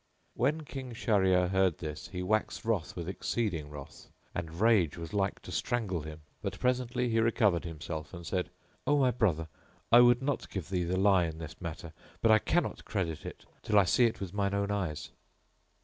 When King Shahryar heard this he waxed wroth with exceeding wrath, and rage was like to strangle him; but presently he recovered himself and said, "O my brother, I would not give thee the lie in this matter, but I cannot credit it till I see it with mine own eyes."